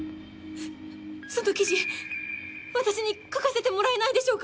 その記事私に書かせてもらえないでしょうか？